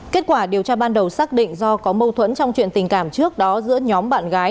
kết quả điều tra ban đầu xác định do có mâu thuẫn trong chuyện tình cảm trước đó giữa nhóm bạn gái